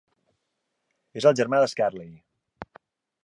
És el germà de Skarloey.